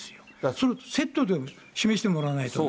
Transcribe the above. それをセットで示してもらわないとね。